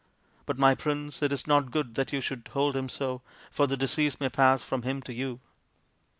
But, my Prince, it is not good that you should hold him so, for the disease may pass from him to you.